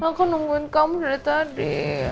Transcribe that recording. aku nungguin kamu dari tadi